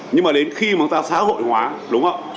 nhưng mà đến khi chúng ta xã hội hóa đúng không ạ